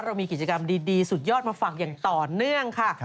เรามีกิจกรรมดีสุดยอดมาฝากอย่างต่อเนื่องค่ะ